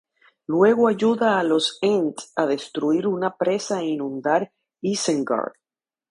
Luego ayuda a los ents a destruir una presa e inundar Isengard.